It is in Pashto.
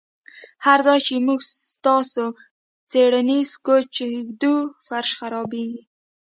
هر ځای چې موږ ستاسو څیړنیز کوچ ږدو فرش خرابیږي